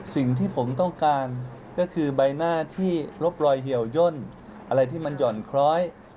สิ่งที่ผมต้องการก็คือใบหน้าที่ลบรอยเหี่ยวย่นอะไรที่มันหย่อนคล้อย